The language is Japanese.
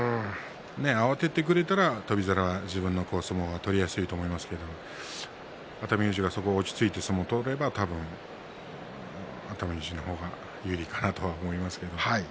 慌ててくれたら自分の相撲が取りやすいと思いますけど熱海富士が、そこを落ち着いて相撲を取れば多分熱海富士の方が有利かなと思いますけど。